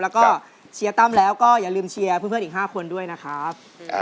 แล้วก็เชียร์ตั้มแล้วก็อย่าลืมเชียร์เพื่อนอีก๕คนด้วยนะครับ